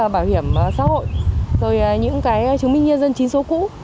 bảo hiểm xã hội rồi những cái chứng minh nhân dân chính số cũ